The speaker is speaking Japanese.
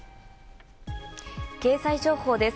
経済情報です。